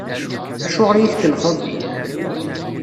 Acuɣer i yi-tkellxeḍ?